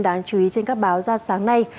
đáng chú ý trên các báo ra sáng nay